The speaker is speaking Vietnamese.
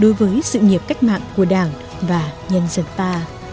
đối với sự nghiệp cách mạng của đảng và nhân dân ta